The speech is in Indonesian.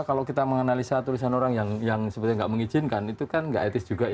kalau kita menganalisa tulisan orang yang sepertinya nggak mengizinkan itu kan nggak etis juga ya